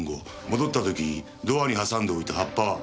戻った時ドアに挟んでおいた葉っぱは？